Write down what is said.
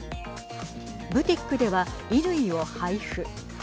ブティックでは衣類を配布。